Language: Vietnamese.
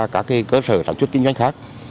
các cơ sở sản xuất kinh doanh khác